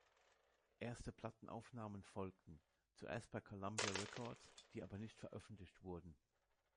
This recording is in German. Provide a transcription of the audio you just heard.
Erste Plattenaufnahmen folgten, zuerst bei Columbia Records, die aber nicht veröffentlicht wurden.